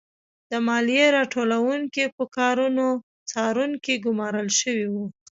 د مالیه راټولوونکو پر کارونو څارونکي ګورمال شوي وو.